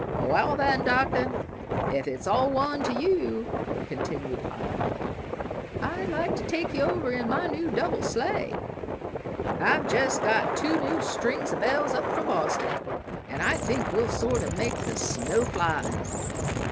"Wal, then, Doctor ef it's all one to you," continued Hiel, "I'd like to take ye over in my new double sleigh. I've jest got two new strings o' bells up from Boston, and I think we'll sort o' make the snow fly.